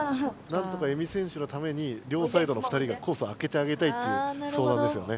なんとか江見選手のために両サイドの２人がコースをあけてあげたいっていうそうだんですよね。